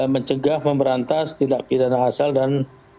mencegah memberantas tidak pidana hasil dan